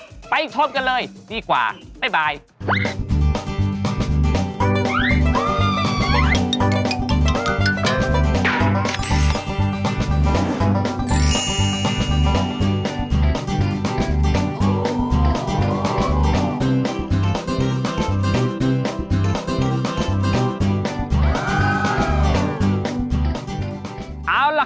ตามแอฟผู้ชมห้องน้ำด้านนอกกันเลยดีกว่าครับ